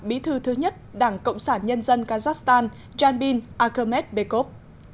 bí thư thứ nhất đảng cộng sản nhân dân kazakhstan janbin akhmed bekov